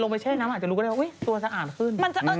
ลงอาบน้ำแล้วหนูมันว่ายน้ำเป็น